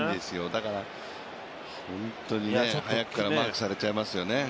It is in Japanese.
だから、本当に早くからマークされちゃいますよね。